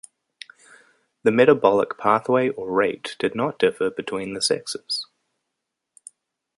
The metabolic pathway or rate did not differ between the sexes.